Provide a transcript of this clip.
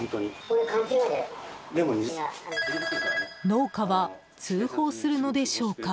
農家は通報するのでしょうか。